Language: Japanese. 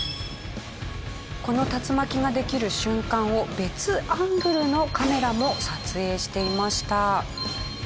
この竜巻ができる瞬間を別アングルのカメラも撮影していました。